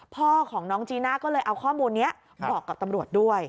พ่อของน้องจีน่าก็เลยเอาข้อมูลนี้บอกกับตำรวจด้วย